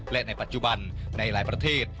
และในปัจจุบันในหลายประเทศ